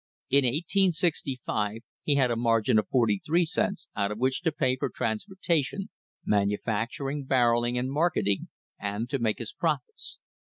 In 1865 ne had a margin of forty three cents, out of which to pay for transportation, manufacturing, barrelling and marketing and to make his profits.